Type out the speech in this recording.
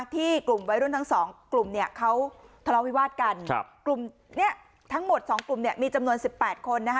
ที่กลุ่มไวรุ่นทั้ง๒กลุ่มเนี่ยเขาทะเลาวิวาสกันทั้งหมด๒กลุ่มเนี่ยมีจำนวน๑๘คนนะฮะ